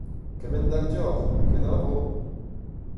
Kemend-all deoc'h ! Kenavo !